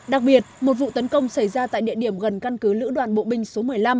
đặc biệt một vụ tấn công xảy ra tại địa điểm gần căn cứ lữ đoàn bộ binh số một mươi năm